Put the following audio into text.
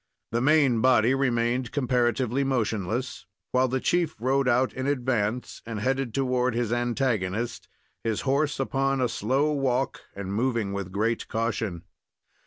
The main body remained comparatively motionless, while the chief rode out in advance and headed toward his antagonist, his horse upon a slow walk, and moving with great caution.